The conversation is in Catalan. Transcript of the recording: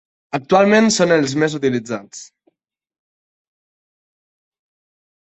Actualment són els més utilitzats.